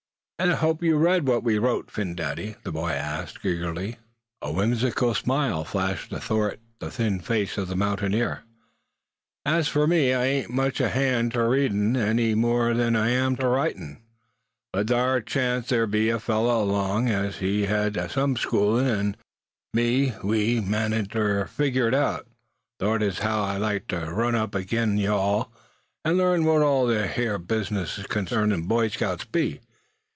"And I hope you read what we wrote, Phin Dady?" the boy asked, eagerly. A whimsical smile flashed athwart the thin face of the mountaineer. "As fur me, I ain't much o' a hand ter read, any more'n I am ter write; but thar chanced ter be a feller along as hed sum schoolin'; an' him an' me, we managed ter figger it out. Thort as how I'd like ter run up agin ye all, an' larn wat all this hyar bizness consarnin' Boy Scouts be.